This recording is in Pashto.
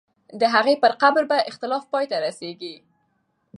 د هغې پر قبر به اختلاف پای ته رسېږي.